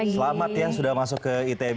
selamat ya sudah masuk ke itb